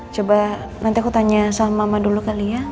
coba nanti aku tanya sama mama dulu kali ya